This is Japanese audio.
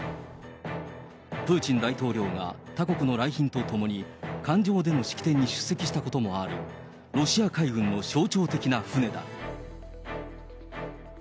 プーチン大統領が他国の来賓と共に艦上での式典に出席したこともあるロシア海軍の象徴的な船だ。